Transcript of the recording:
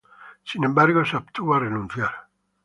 Sin embargo se abstuvo a renunciar.